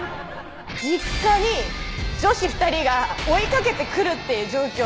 実家に女子２人が追いかけてくるっていう状況